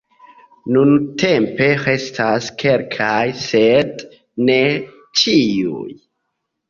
Nuntempe restas kelkaj sed ne ĉiuj.